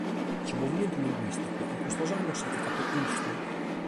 Su Movimentu Linguìsticu in custos annos at fatu custu.